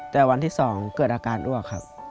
แต่วันที่๒เกิดอาการอ้วกครับ